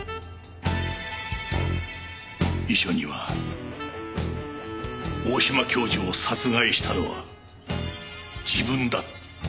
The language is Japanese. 遺書には「大島教授を殺害したのは自分だ」と書かれていた。